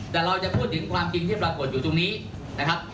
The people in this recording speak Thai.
แต่เราจะพูดถึงความจริงที่ปรากฏอยู่ตรงนี้นะครับ